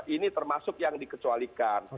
ini termasuk yang dikecualikan